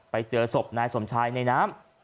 ไปเจอศพนายสมชายในน้ำ